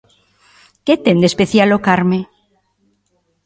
Que ten de especial O Carme?